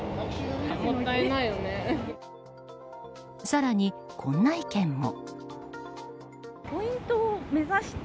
更に、こんな意見も。